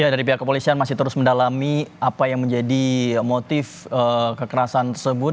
dari pihak kepolisian masih terus mendalami apa yang menjadi motif kekerasan tersebut